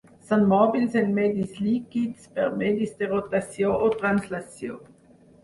Són mòbils en medis líquids per medis de rotació o translació.